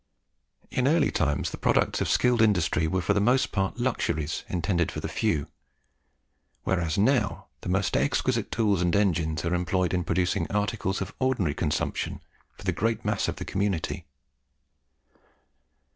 In early times the products of skilled industry were for the most part luxuries intended for the few, whereas now the most exquisite tools and engines are employed in producing articles of ordinary consumption for the great mass of the community.